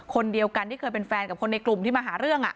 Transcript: คนเดียวกันที่เคยเป็นแฟนกับคนในกลุ่มที่มาหาเรื่อง